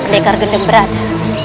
pendekar gendeng berada